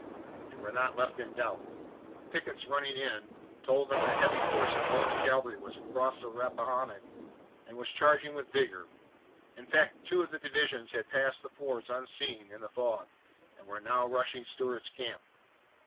They were not left in doubt. The pickets, running in, told them that a heavy force of Northern cavalry was across the Rappahannock and was charging with vigor. In fact, two of the divisions had passed the fords unseen in the fog and were now rushing Stuart's camp.